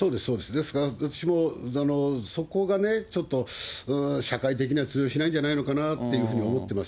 ですから私もそこがね、ちょっと社会的には通用しないんじゃないのかなというふうに思ってます。